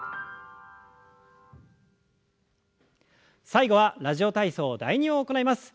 最後は「ラジオ体操第２」を行います。